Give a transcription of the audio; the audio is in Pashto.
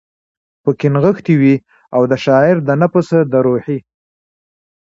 پکښې نغښتی وی، او د شاعر د نفس د روحي